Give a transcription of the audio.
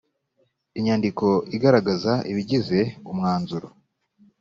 inyandiko igaragaza ibigize umwanzuro